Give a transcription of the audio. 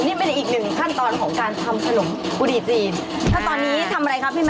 นี่เป็นอีกหนึ่งขั้นตอนของการทำขนมกุรีจีน